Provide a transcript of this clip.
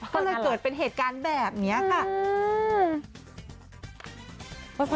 ก็เลยเกิดเป็นเหตุการณ์แบบนี้ค่ะ